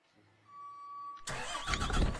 আমার যা যা দরকার সব এখানে আছে।